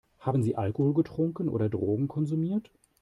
Haben Sie Alkohol getrunken oder Drogen konsumiert?